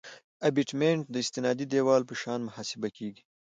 ابټمنټ د استنادي دیوال په شان محاسبه کیږي